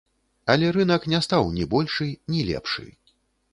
Але рынак не стаў ні большы, ні лепшы.